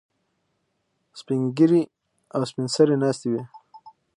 سپین ږیري او سپین سرې ناستې وي.